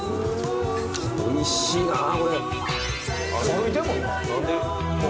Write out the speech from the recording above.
おいしいなこれ。